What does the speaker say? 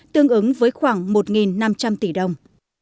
tương ứng với khoảng một năm trăm linh tỷ đồng